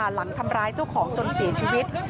หลังทำร้ายเจ้าของจนเสียชีวิต